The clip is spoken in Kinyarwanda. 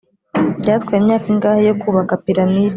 byatwaye imyaka ingahe yo kubaka piramide?